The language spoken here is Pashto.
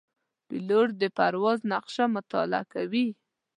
پیلوټ د پرواز نقشه مطالعه کوي.